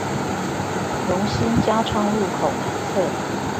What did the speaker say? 榮新加昌路口南側